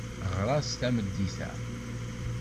Ɣer-as tameddit-a.